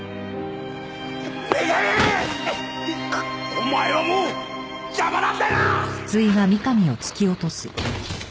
お前はもう邪魔なんだよ！